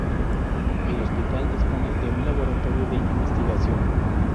El hospital dispone de un laboratorio de investigación.